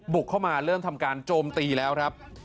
เข้ามาเริ่มทำการโจมตีแล้วครับ